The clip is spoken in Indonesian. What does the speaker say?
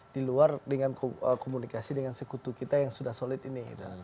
di luar dengan komunikasi dengan sekutu kita yang sudah solid ini